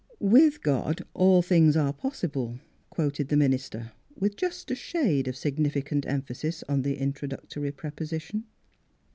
" With God all things are possible," quoted the minister with just a shade of significant emphasis on the introductory preposition.